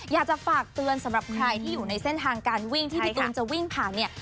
อยากจะฝากเตือนสำหรับใครที่อยู่ในเส้นทางการวิ่งที่พี่ตูนจะวิ่งผ่านเนี่ย